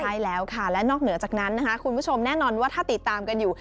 ใช่แล้วค่ะและนอกเหนือจากนั้นนะคะคุณผู้ชมแน่นอนว่าถ้าติดตามกันอยู่